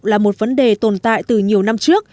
là một vấn đề tồn tại từ nhiều năm trước